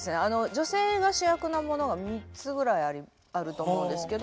女性が主役のものが３つぐらいあると思うんですけど。